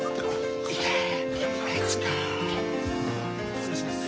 失礼します。